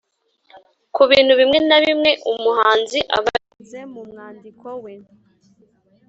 ku bintu bimwe na bimwe umuhanzi aba yavuze mu mwandiko we